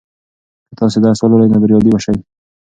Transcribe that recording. که تاسې درس ولولئ نو بریالي به سئ.